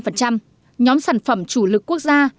nhóm sản phẩm chủ lực quốc gia